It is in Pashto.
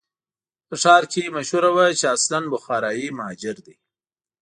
په ښار کې مشهوره وه چې اصلاً بخارایي مهاجر دی.